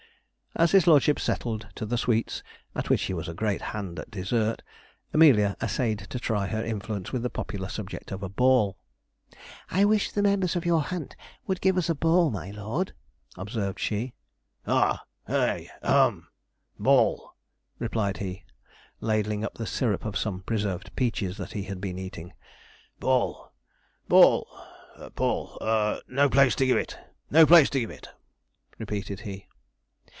As his lordship settled to the sweets, at which he was a great hand at dessert, Amelia essayed to try her influence with the popular subject of a ball. 'I wish the members of your hunt would give us a ball, my lord,' observed she. 'Ah, hay, hum ball,' replied he, ladling up the syrup of some preserved peaches that he had been eating; 'ball, ball, ball. No place to give it no place to give it,' repeated he.